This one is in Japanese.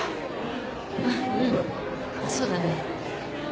あっうんそうだね。